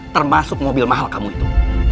termasuk mobil mahal kamu itu